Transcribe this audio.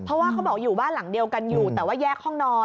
เพราะว่าเขาบอกอยู่บ้านหลังเดียวกันอยู่แต่ว่าแยกห้องนอน